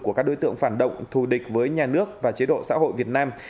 của các đối tượng phản động thù địch với nhà nước và chế độ xã hội việt nam